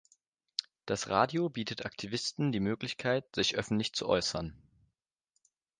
Das Radio bietet Aktivisten die Möglichkeit, sich öffentlich zu äußern.